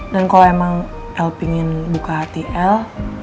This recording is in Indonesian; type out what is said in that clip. dan kalau emang el pingin buka hati el